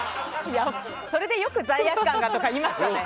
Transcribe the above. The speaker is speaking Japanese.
それでよく罪悪感がとか言いましたね。